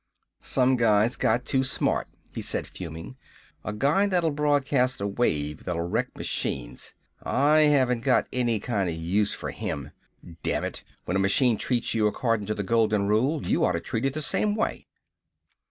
"Some guys got too smart," he said, fuming. "A guy that'll broadcast a wave that'll wreck machines ... I haven't got any kinda use for him! Dammit, when a machine treats you accordin' to the golden rule, you oughta treat it the same way!"